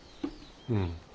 うん。